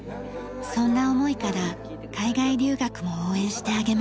そんな思いから海外留学も応援してあげました。